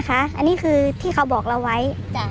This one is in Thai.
อันนี้คือที่เขาบอกเราไว้